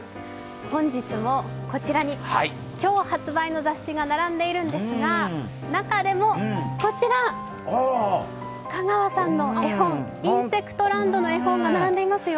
本日もこちらに今日発売の雑誌が並んでいるんですが中でもこちら、香川さんの絵本、「インセクトランド」の絵本が並んでいますよ。